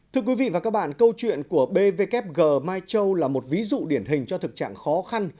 thưa quý vị và các bạn câu chuyện của bvkg mai châu là một ví dụ điển hình cho thực trạng khó khăn